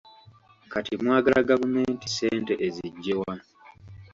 Kati mwagala gavumenti ssente eziggye wa?